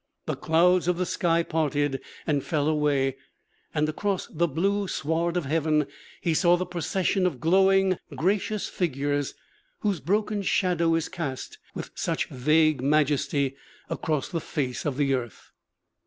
The clouds of the sky parted and fell away, and across the blue sward of heaven he saw the procession of glowing, gracious figures whose broken shadow is cast with such vague majesty across the face of the earth.